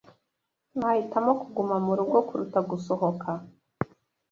Nahitamo kuguma murugo kuruta gusohoka.